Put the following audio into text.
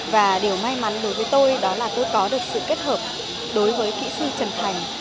và điều may mắn đối với tôi đó là tôi có được sự kết hợp đối với kỹ sư trần thành